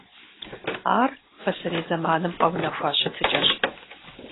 Ар пасэрей зэманым къэунэхуа щытыкӀэщ.